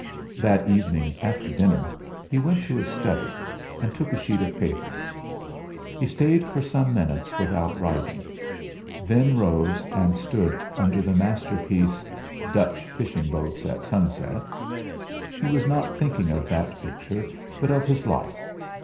That evening after dinner he went to his study and took a sheet of paper. He stayed for some minutes without writing, then rose and stood under the masterpiece 'Dutch Fishing Boats at Sunset.' He was not thinking of that picture, but of his life.